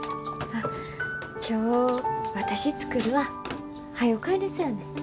あっ今日私作るわ。はよ帰れそやねん。